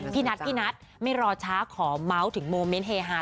พี่นัทพี่นัทไม่รอช้าขอเมาส์ถึงโมเมนต์เฮฮา